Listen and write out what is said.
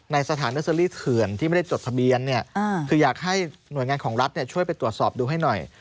ในสถานเนอร์เซอรี่เถื่อนที่ไม่ได้จดทะเบียนเนี่ยคืออยากให้หน่วยงานของรัฐช่วยไปตรวจสอบดูให้หน่อย